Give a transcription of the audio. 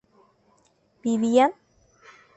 ¿vivían?